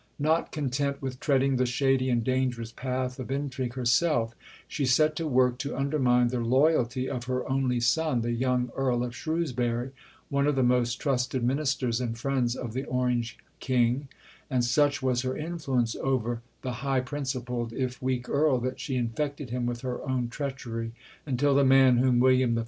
Not content with treading the shady and dangerous path of intrigue herself, she set to work to undermine the loyalty of her only son, the young Earl of Shrewsbury, one of the most trusted ministers and friends of the Orange King; and such was her influence over the high principled, if weak Earl that she infected him with her own treachery, until the man, whom William III.